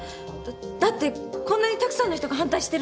だってこんなにたくさんの人が反対してるのに？